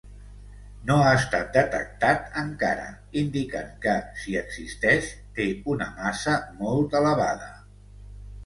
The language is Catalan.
No ha estat detectat encara, indicant que, si existeix, té una massa molt elevada.